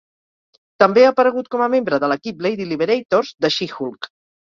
També ha aparegut com a membre de l"equip "Lady Liberators" de She-Hulk.